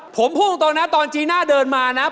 ผมพูดตรงนั้นตอนจีน่าเดินมานะครับ